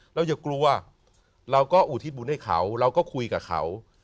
เราอย่ากลัวเราก็อุทิศบุญให้เขาเราก็คุยกับเขา